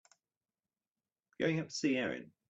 Going up to see Erin.